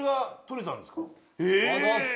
ありがとうございます。